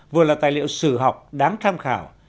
vừa là tài liệu sử học đáng tham khảo